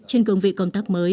trên cường vị công tác mới